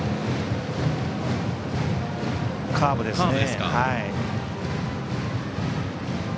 カーブですね。